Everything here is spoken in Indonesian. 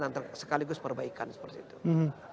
dan sekaligus perbaikan seperti itu